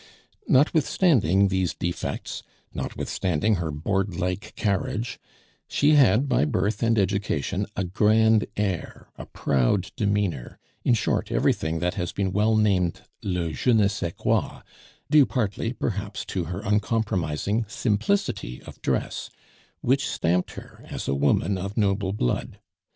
Notwithstanding these defects, notwithstanding her board like carriage, she had by birth and education a grand air, a proud demeanor, in short, everything that has been well named le je ne sais quoi, due partly, perhaps, to her uncompromising simplicity of dress, which stamped her as a woman of noble blood.